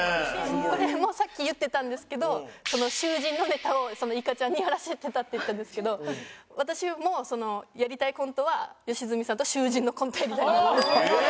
これもさっき言ってたんですけど囚人のネタをいかちゃんにやらせてたって言ってたんですけど私もやりたいコントは吉住さんと囚人のコントやりたいなって。